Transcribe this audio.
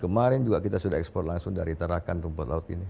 kemarin juga kita sudah ekspor langsung dari tarakan rumput laut ini